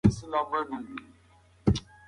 ایا په دې کلي کې نوي نلونه لګول شوي دي؟